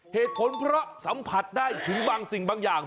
เหตุผลเพราะสัมผัสได้ถึงบางสิ่งบางอย่าง